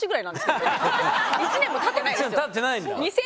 １年もたってないですよ。